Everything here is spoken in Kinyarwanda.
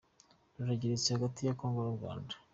Rurageretse hagati ya congo n’urwanda